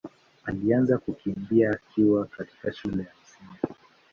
alianza kukimbia akiwa katika shule ya Msingi.